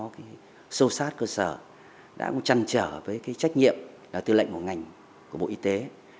cái sâu sát cơ sở đã chăn trở với cái trách nhiệm là tư lệnh của ngành của bộ y tế